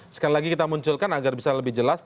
sekali lagi kita munculkan agar bisa lebih jelas